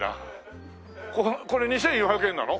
これ２４００円なの？